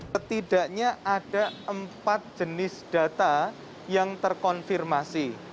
setidaknya ada empat jenis data yang terkonfirmasi